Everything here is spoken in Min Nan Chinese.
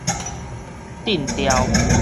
抌掉